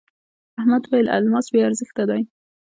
احمد وويل: الماس بې ارزښته دی.